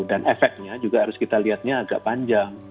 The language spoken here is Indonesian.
dan efeknya juga harus kita lihatnya agak panjang